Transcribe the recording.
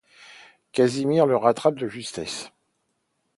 Casimir le rattrape de justesse...